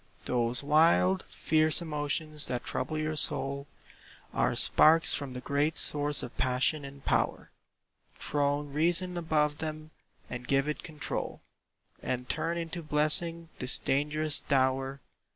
Those wild, fierce emotions that trouble your soul Are sparks from the great source of passion and power; Throne reason above them, and give it control, And turn into blessing this dangerous dower.